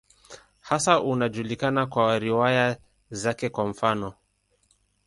Hasa anajulikana kwa riwaya zake, kwa mfano.